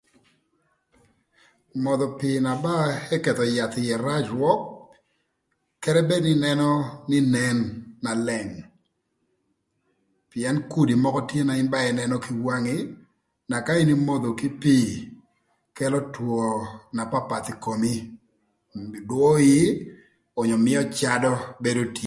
Modho pii na ba eketho yath ïë rac rwök kede bed ïnënö nï nen na leng pïën kudi mökö tye na in ba ïnënö kï wangi na ka in imodho kï pii kelo two na papath ï komi dwö ii onyo mïö cadö bedo tye.